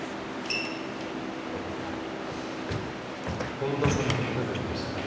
本田さんにプレゼントしたくて。